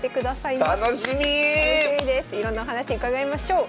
いろんなお話伺いましょう。